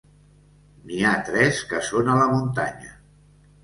N'hi ha tres que són a la muntanya.